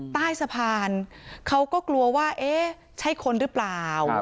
ใต้สภานเขาก็กลัวว่าใช้คนหรือเปล่า